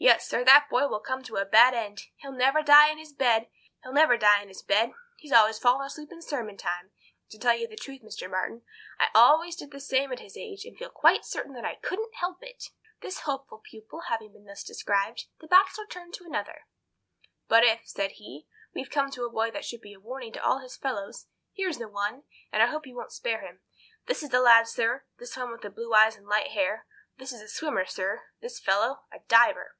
Yet, sir, that boy will come to a bad end; he'll never die in his bed; he's always falling asleep in sermon time—and to tell you the truth, Mr. Marton, I always did the same at his age, and feel quite certain that I couldn't help it." This hopeful pupil having been thus described, the Bachelor turned to another. "But if," said he, "we come to a boy that should be a warning to all his fellows, here's the one, and I hope you won't spare him. This is the lad, sir—this one with the blue eyes and light hair. This is a swimmer, sir—this fellow—a diver.